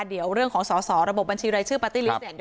เดี๋ยวเรื่องของสอสอระบบบัญชีรายชื่อปาร์ตี้ลิสต์